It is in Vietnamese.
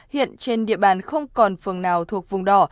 hiện trên địa bàn không còn phường nào thuộc vùng đỏ